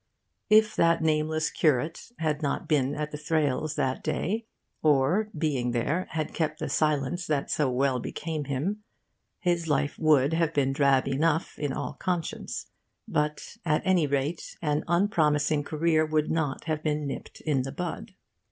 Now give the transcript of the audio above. If that nameless curate had not been at the Thrales' that day, or, being there, had kept the silence that so well became him, his life would have been drab enough, in all conscience. But at any rate an unpromising career would not have been nipped in the bud.